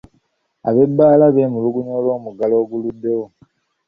Ab’ebbaala bemmulugunya olwo muggalo oguluddewo.